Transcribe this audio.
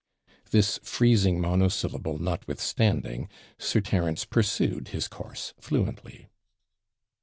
This freezing monosyllable notwithstanding, Sir Terence pursued his course fluently.